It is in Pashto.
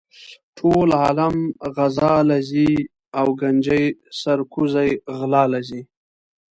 ټول عالم غزا لہ ځی او ګنجي سر کوزے غلا لہ ځی